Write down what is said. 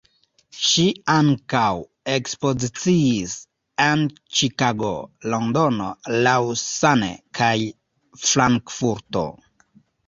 Ŝi ankaŭ ekspoziciis en Ĉikago, Londono, Lausanne, kaj Frankfurto.